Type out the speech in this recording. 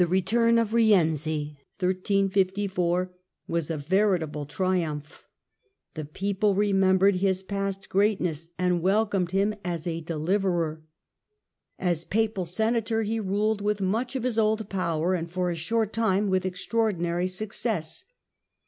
Return of The returii of Rienzi was a veritable triumph. The Rome and pcoplc remembered his past greatness and welcomed h^s^deati, ^^^^^ ^g ^ dehverer. As Papal Senator he ruled with much of his old power and for a short time with extra ordinary success.